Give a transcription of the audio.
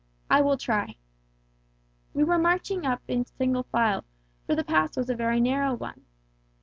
I will try. 'We were marching up in single file, for the pass was a very narrow one.